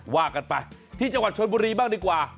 ว่ากันไปที่จังหวัดชนบุรีบ้างดีกว่า